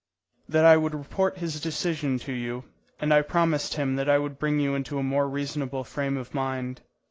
"That I would report his decision to you, and I promised him that I would bring you into a more reasonable frame of mind.